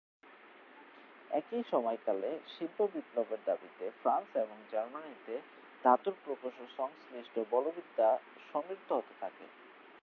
একই সময়কালে, শিল্প বিপ্লবের দাবিতে ফ্রান্স এবং জার্মানিতে ধাতুর প্রকৌশল সংশ্লিষ্ট বলবিদ্যা সমৃদ্ধ হতে থাকে।